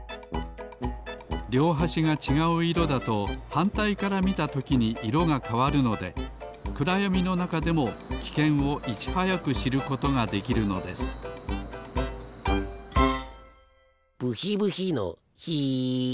りょうはしがちがう色だとはんたいからみたときに色がかわるのでくらやみのなかでもきけんをいちはやくしることができるのですブヒブヒのヒ！